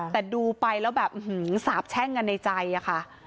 แต่ดูไปแล้วแบบสาบแช่งกันในใจอะค่ะ